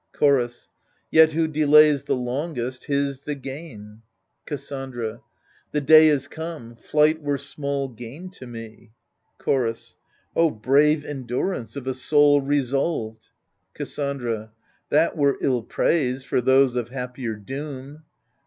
Chorus Yet who delays the longest, his the gain. Cassandra The day is come — flight were small gain to me 1 Chorus O brave endurance of a soul resolved 1 Cassandra That were ill praise, for those of happier doom.